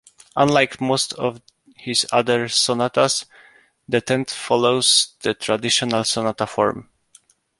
Unlike most of his other sonatas, the tenth follows the traditional sonata form.